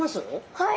はい。